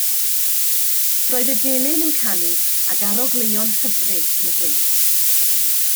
Roedd y delyn yn canu ac arogleuon hyfryd yn y gwynt.